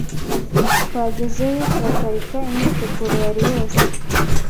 Twagezeyo turaparika imyiteguro yari yose